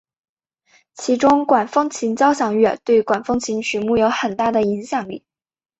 其中管风琴交响乐对管风琴曲目有很大的影响力。